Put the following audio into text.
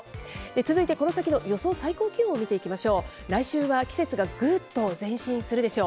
続いてこの先の予想最高気温を見ていきましょう。